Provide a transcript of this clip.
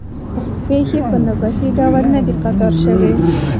پېښې په نوبتي ډول نه دي قطار شوې.